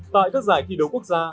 tại các giải thi đấu quốc gia